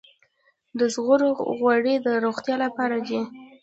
د زغرو غوړي د روغتیا لپاره دي.